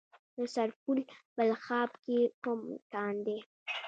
د سرپل په بلخاب کې کوم کان دی؟